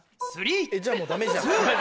えっじゃあもうダメじゃん。